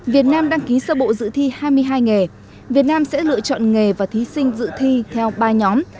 việt nam đăng ký sơ bộ dự thi hai mươi hai nghề việt nam sẽ lựa chọn nghề và thí sinh dự thi theo ba nhóm